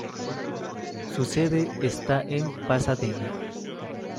Su sede está en Pasadena.